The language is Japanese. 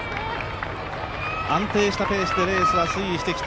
安定したペースでレースは推移してきた。